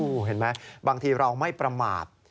เห็นไหมบางทีเราไม่ประมาท